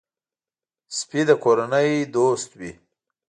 سپي د کورنۍ دوست وي.